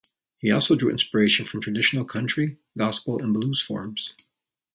He also drew inspiration from traditional country, gospel, and blues forms.